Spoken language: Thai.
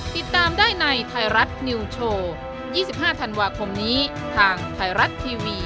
ติดตามได้ในไทยรัฐนิวโชว์๒๕ธันวาคมนี้ทางไทยรัฐทีวี